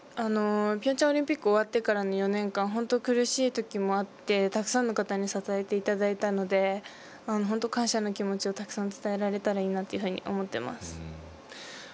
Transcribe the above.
ピョンチャンオリンピック終わってからの４年間本当苦しいときもあってたくさんの方に支えていただいたので本当感謝の気持ちをたくさん伝えられたらいいなというふうに思っています。